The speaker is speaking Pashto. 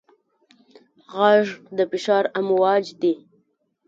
غږ د فشار امواج دي.